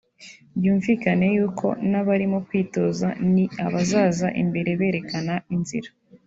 byumvikane y’uko n’abarimo kwitoza ni abazaza imbere berekana inzira